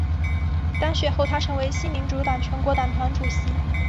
当选后她成为新民主党全国党团主席。